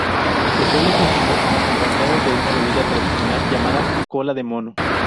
Se suele consumir acompañado de una bebida tradicional llamada cola de mono.